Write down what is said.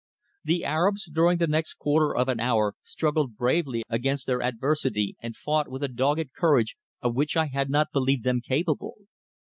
The Arabs during the next quarter of an hour struggled bravely against their adversity and fought with a dogged courage of which I had not believed them capable.